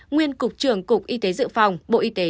nguyên cục trưởng cục y tế dự phòng bộ y tế